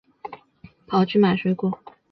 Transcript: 跑去买水果